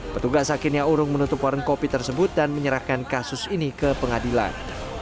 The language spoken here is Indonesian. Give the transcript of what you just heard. petugas akhirnya urung menutup warung kopi tersebut dan menyerahkan kasus ini ke pengadilan